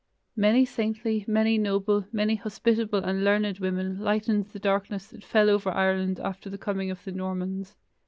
Many saintly, many noble, many hospitable and learned women lightened the darkness that fell over Ireland after the coming of the Normans.